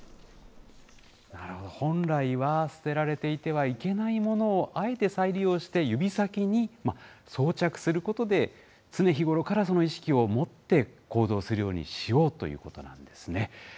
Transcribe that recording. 本来は捨てられていてはいけないものをあえて再利用して指先に装着することで、常日頃からその意識を持って行動するようにしようということなんですね。